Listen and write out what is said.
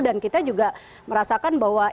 kita juga merasakan bahwa